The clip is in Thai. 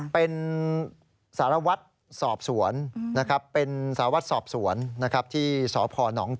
เป็นสารวัตรศอบสวนที่สพ